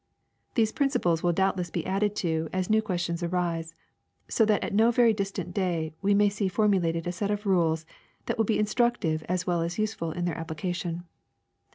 These principles will doubtless he added to as new questions arise, so that at no very distant day we may see formulated a set of rules that will be instructive as well as useful in their application.